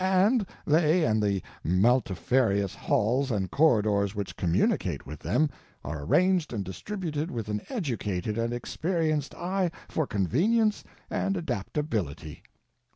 and they and the multifarious halls and corridors which communicate with them are arranged and distributed with an educated and experienced eye for convenience and adaptability.